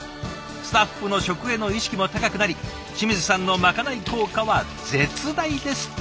スタッフの食への意識も高くなり清水さんのまかない効果は絶大ですって。